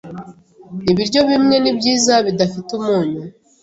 Ibiryo bimwe nibyiza bidafite umunyu.